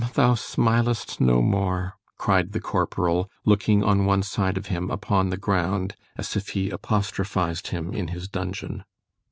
_ thou smilest no more, cried the corporal, looking on one side of him upon the ground, as if he apostrophised him in his dungeon.